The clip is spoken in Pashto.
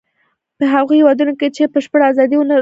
په هغو هېوادونو کې چې بشپړه ازادي و نه لري.